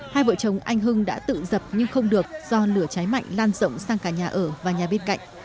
hai vợ chồng anh hưng đã tự dập nhưng không được do lửa cháy mạnh lan rộng sang cả nhà ở và nhà bên cạnh